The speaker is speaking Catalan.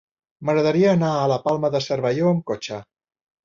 M'agradaria anar a la Palma de Cervelló amb cotxe.